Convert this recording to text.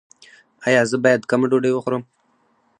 ایا زه باید کمه ډوډۍ وخورم؟